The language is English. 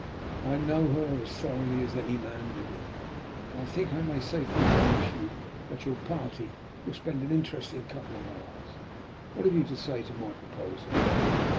I know her as thoroughly as any man living, and I think I may safely promise that your party will spend an interesting couple of hours. What have you to say to my proposal?"